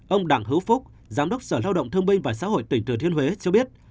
ông đảng hữu phúc giám đốc sở lao động thương binh và xã hội tỉnh thừa thiên huế cho biết